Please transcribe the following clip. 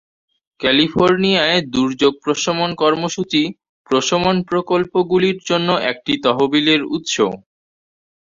ক্যালিফোর্নিয়ায় দুর্যোগ প্রশমন কর্মসূচি প্রশমন প্রকল্পগুলির জন্য একটি তহবিলের উৎস।